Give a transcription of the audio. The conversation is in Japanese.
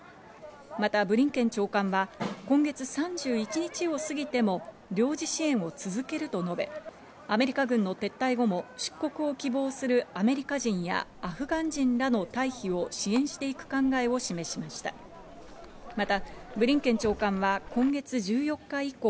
またブリンケン長官は今月３１日を過ぎても領事支援を続けると述べ、アメリカ軍の撤退後も出国を希望するアメリカ人やアフガン人らの退避を支援していく考えを示しました。